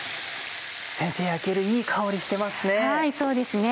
先生焼けるいい香りしてますね。